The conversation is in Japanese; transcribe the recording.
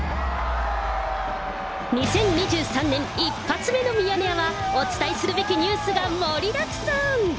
２０２３年一発目のミヤネ屋は、お伝えすべきニュースが盛りだくさん。